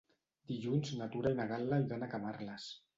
Dilluns na Tura i na Gal·la iran a Camarles.